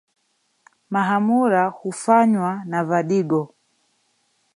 Mahamura hufanywa na vadigo